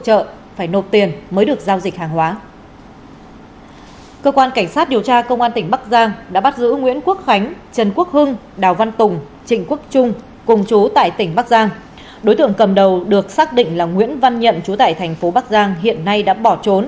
chủ tịch an ninh điều tra công an tỉnh quảng ngãi đang tiếp tục điều tra làm rõ